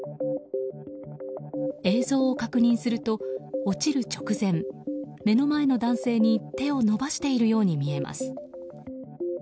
映像を確認すると、落ちる直前目の前の男性に手を伸ばしているように見えます。